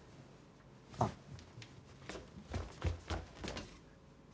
あっ。